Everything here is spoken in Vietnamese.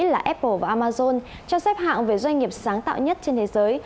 là apple và amazon cho xếp hạng về doanh nghiệp sáng tạo nhất trên thế giới